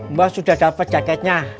mbak sudah dapat jaketnya